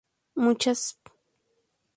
Muchas spp.